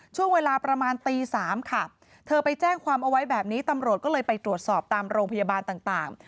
ช่วงเวลาประมาณตี๓ค่ะเธอไปแจ้งความเอาไว้แบบนี้ตำรวจก็เลยไปตรวจสอบตามโรงพยาบาลต่าง